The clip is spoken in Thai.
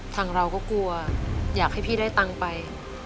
ทางเราก็กลัวอยากให้พี่ได้ตังค์ไป